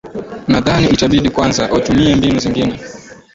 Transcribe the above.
nadhani itabidi kwanza watumie mbinu zingine